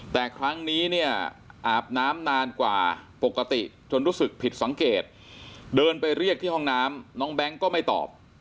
แต่ครั้งนี้เนี่ยอาบน้ำนานกว่าปกติจนรู้สึกผิดสังเกตเดินไปเรียกที่ห้องน้ำน้องแบงค์ก็ไม่ตอบ